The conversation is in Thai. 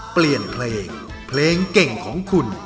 เปลี่ยนเพลงเพลงเก่งของคุณ